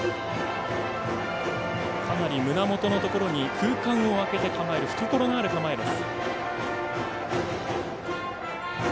かなり胸元のところに空間を開けて構える、懐のある構えです。